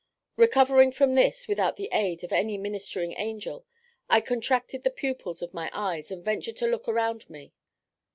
Recovering from this, without the aid of any "ministering angel," I contracted the pupils of my eyes, and ventured to look around me.